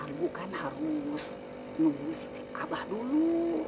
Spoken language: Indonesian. ibu kan harus mengusik si abah dulu